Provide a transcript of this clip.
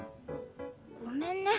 ごめんね。